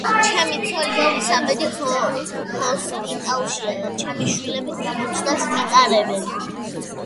ჩემი ცოლი ელისაბედი ჰოსპიტალშია და ჩემი შვილები გამოცდებს მიტარებენ.